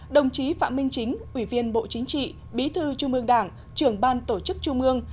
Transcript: đồng chí phạm minh chính ủy viên bộ chính trị bí thư trung ương đảng trưởng ban tổ chức trung ương